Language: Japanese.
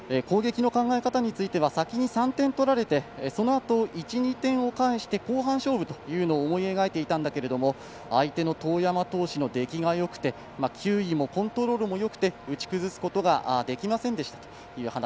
考え方については先に３点とられてそのあと２点返して１２点勝負と考えていたんですが後半勝負というのを思い描いていたんだけれども相手の當山投手の出来がよくて球威もコントロールもよくて打ち崩すことができませんでした。